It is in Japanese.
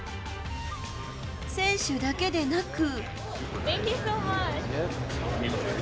選手だけでなく。